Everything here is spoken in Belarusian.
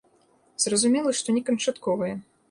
Зразумела, што не канчатковае.